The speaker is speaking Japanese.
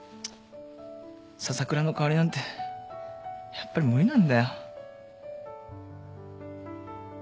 笹倉の代わりなんてやっぱり無理なんだよ。